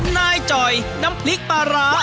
นายจ่อยน้ำพริกปลาร้า